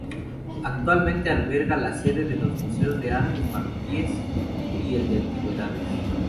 Actualmente alberga la sede de los museos de Artes Marroquíes y el de Antigüedades.